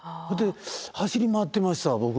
ほんで走り回ってましたわ